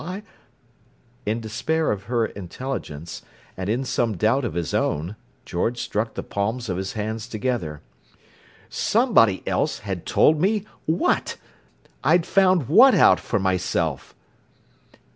I—" In despair of her intelligence, and in some doubt of his own, George struck the palms of his hands together. "Somebody else had told me what? I'd found what out for myself?"